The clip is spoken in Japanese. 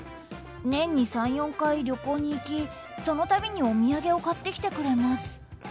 年に３４回旅行に行きそのたびにお土産を買ってきてくれます。